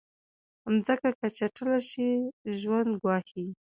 مځکه که چټله شي، ژوند ګواښي.